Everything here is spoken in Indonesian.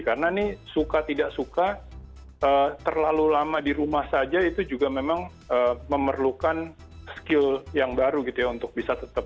karena ini suka tidak suka terlalu lama di rumah saja itu juga memang memerlukan skill yang baru gitu ya untuk bisa tetap